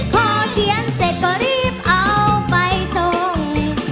พอเขียนเสร็จก็รีบเอาไปส่ง